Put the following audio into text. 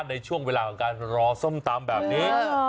ในช่วงเวลาของการรอส้มตำแบบนี้